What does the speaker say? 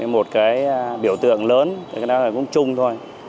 một biểu tượng lớn cái đó là cũng chung thôi